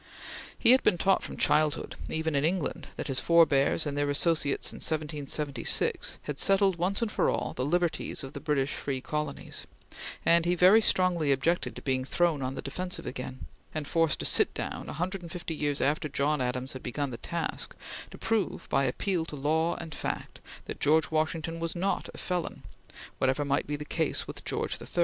He had been taught from childhood, even in England, that his forbears and their associates in 1776 had settled, once for all, the liberties of the British free colonies, and he very strongly objected to being thrown on the defensive again, and forced to sit down, a hundred and fifty years after John Adams had begun the task, to prove, by appeal to law and fact, that George Washington was not a felon, whatever might be the case with George III.